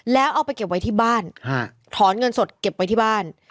แล้วเอาไปเก็บไว้ที่บ้านถอนเงินสดเก็บไว้ที่บ้าน